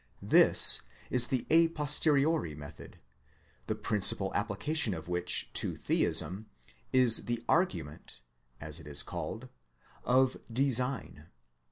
This is the a posteriori method, the principal application of which to Theism is the argument (as it is called) of design.